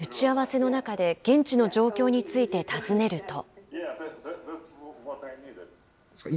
打ち合わせの中で、現地の状況について尋ねると。